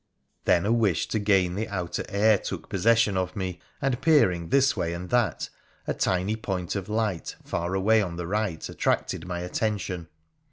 Then a wish to gain the outer air took possession of me, and, peering this way and that, a tiny point of light far away on the right attracted my attention.